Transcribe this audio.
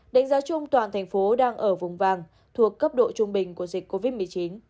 đánh giá chung toàn thành phố đang ở vùng vàng thuộc cấp độ trung bình của dịch covid một mươi chín